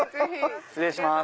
失礼します。